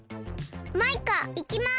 マイカいきます。